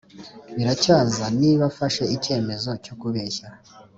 biracyaza, niba mfashe icyemezo cyo kubeshya